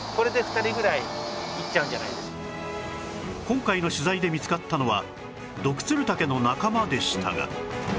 今回の取材で見つかったのはドクツルタケの仲間でしたが